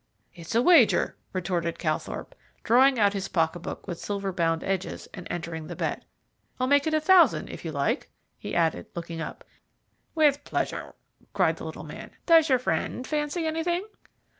"It's a wager," retorted Calthorpe, drawing out his pocket book with silver bound edges, and entering the bet. "I'll make it a thousand, if you like?" he added, looking up. "With pleasure," cried the little man. "Does your friend fancy anything?"